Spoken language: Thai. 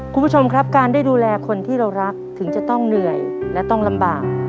คุณผู้ชมครับการได้ดูแลคนที่เรารักถึงจะต้องเหนื่อยและต้องลำบาก